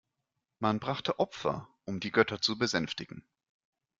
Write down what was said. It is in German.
Man brachte Opfer, um die Götter zu besänftigen.